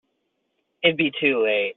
It'd be too late.